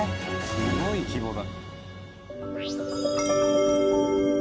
すごい規模だ。